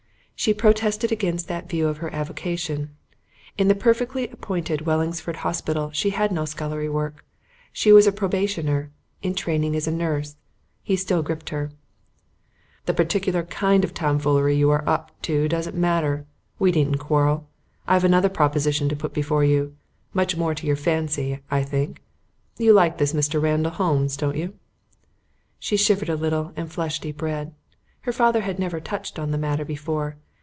She protested against that view of her avocation. In the perfectly appointed Wellingsford Hospital she had no scullery work. She was a probationer, in training as a nurse. He still gripped her. "The particular kind of tomfoolery you are up to doesn't matter. We needn't quarrel. I've another proposition to put before you much more to your fancy, I think. You like this Mr. Randall Holmes, don't you?" She shivered a little and flushed deep red. Her father had never touched on the matter before.